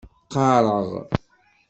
Qqareɣ.